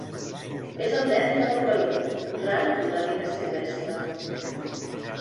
És endèmica del Perú, rara en la vida silvestre.